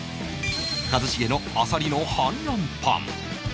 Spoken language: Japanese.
一茂のあさりの反乱パン